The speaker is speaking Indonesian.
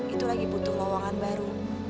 itu lagi butuh lowongan baru